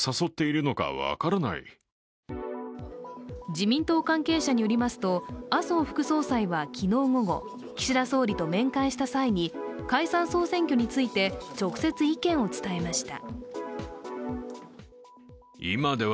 自民党関係者によりますと、麻生副総裁は昨日午後、岸田総理と面会した際に解散総選挙について直接意見を伝えました。